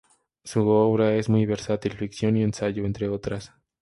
Su obra es muy versátil: ficción y ensayo, entre otras.